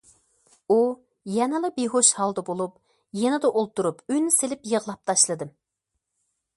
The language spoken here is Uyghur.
ئۇ يەنىلا بىھوش ھالدا بولۇپ، يېنىدا ئولتۇرۇپ ئۈن سېلىپ يىغلاپ تاشلىدىم.